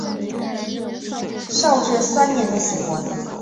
绍治三年的喜欢。